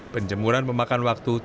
penjemuran memakan waktu tiga hari